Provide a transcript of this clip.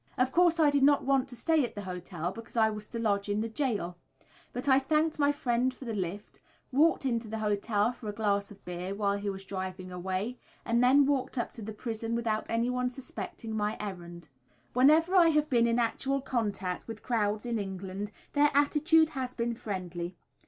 Of course, I did not want to stay at the hotel, because I was to lodge in the gaol, but I thanked my friend for the lift, walked into the hotel for a glass of beer while he was driving away, and then walked up to the prison without anyone suspecting my errand. Whenever I have been in actual contact with crowds in England, their attitude has been friendly.